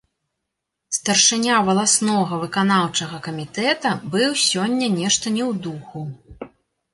Старшыня валаснога выканаўчага камітэта быў сёння нешта не ў духу.